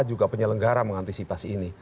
saya berharap penyelenggara mengantisipasi ini